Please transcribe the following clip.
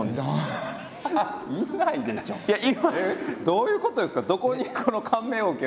どういうことですか？